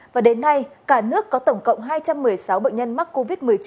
và đến nay cả nước có tổng cộng hai trăm một mươi sáu bệnh nhân mắc covid một mươi chín